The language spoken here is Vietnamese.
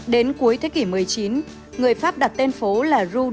đến cuối thế kỷ một mươi chín người pháp đặt tên phố là rưu đẹp